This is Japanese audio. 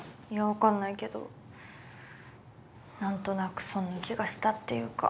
分かんないけど何となくそんな気がしたっていうか。